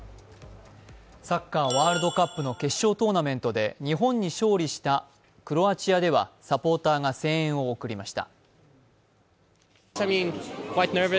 サッカーワールドカップの決勝トーナメントで日本に勝利したクロアチアではサポーターが声援を送りました。